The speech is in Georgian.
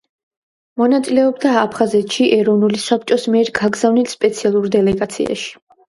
მონაწილეობდა აფხაზეთში ეროვნული საბჭოს მიერ გაგზავნილ სპეციალურ დელეგაციაში.